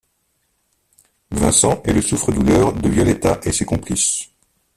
Vincent est le souffre douleur de Violetta et ses complices.